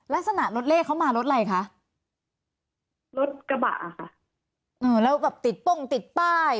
ลักษณะรถเลขเขามารถอะไรคะรถกระบะค่ะเออแล้วแบบติดโป้งติดป้าย